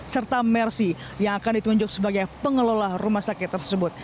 serta mersi yang akan ditunjuk sebagai pengelola rumah sakit tersebut